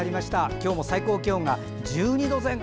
今日も最高気温が１２度前後。